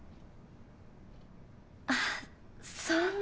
あっそんな。